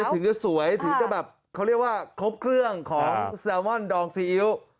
ถึงจะสวยถึงจะแบบเขาเรียกว่าครบเครื่องของแซลมอนดองซีอิ๊ว